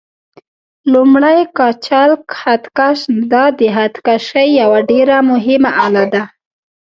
لومړی: کچالک خط کش: دا د خط کشۍ یوه ډېره مهمه آله ده.